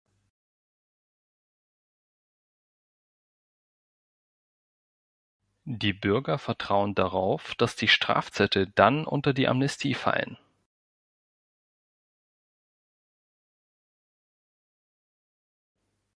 Die Bürger vertrauen darauf, dass die Strafzettel dann unter die Amnestie fallen.